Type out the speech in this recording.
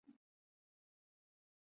无法阻止地震发生